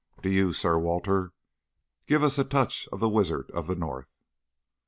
Do you, Sir Walter, give us a touch of the Wizard of the North."